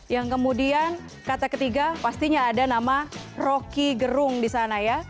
yang kemudian kata ketiga pastinya ada nama rocky gerung di sana ya